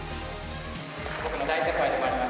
僕の大先輩でもあります